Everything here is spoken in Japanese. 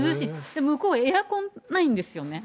で、向こうはエアコンないんですよね。